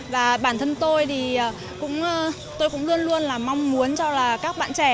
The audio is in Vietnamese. và bản thân tôi thì tôi cũng luôn luôn là mong muốn cho là các bạn trẻ